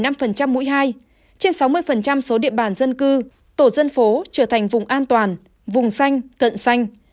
hai mươi ba năm mũi hai trên sáu mươi số địa bàn dân cư tổ dân phố trở thành vùng an toàn vùng xanh cận xanh